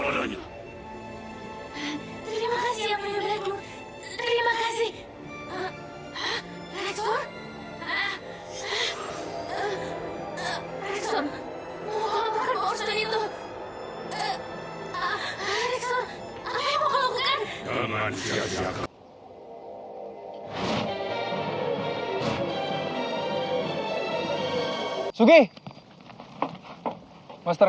kan merindasi lo bayang